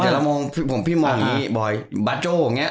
พี่มองอย่างนี้บอย